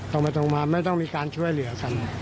ตรงไปตรงมาไม่ต้องมีการช่วยเหลือกัน